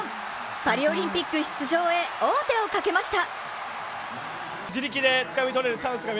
パリオリンピック出場へ王手をかけました！